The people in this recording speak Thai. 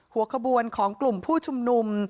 หัวขบวนของกลุ่มผู้ชุมนุม